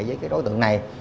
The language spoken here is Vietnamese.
với đối tượng này